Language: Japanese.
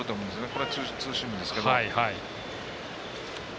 これ、ツーシームですけど。